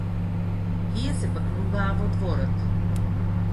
Тие се бакнуваа во дворот.